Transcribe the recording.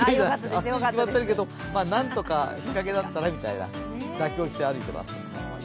暑いに決まってるけどなんとか、日陰だったらみたいな、妥協して歩いています。